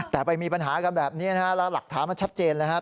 แต่ไปมีปัญหากันแบบนี้นะฮะแล้วหลักฐานมันชัดเจนเลยครับ